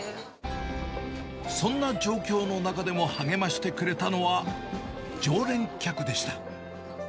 そんな状況の中でも励ましてくれたのは、常連客でした。